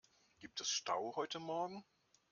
Gibt es Stau heute morgen?